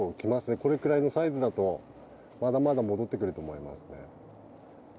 これくらいのサイズだと、まだまだ戻ってくると思いますね。